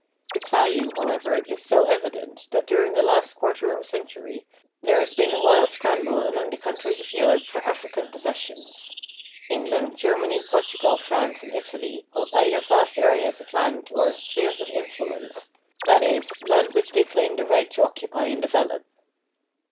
Its value, however, is so evident that during the last quarter of a century there has been a wild scramble among the countries of Europe for African possessions. England, Germany, Portugal, France, and Italy hold either vast areas of land or "spheres of influence," that is, land which they claim the right to occupy and develop.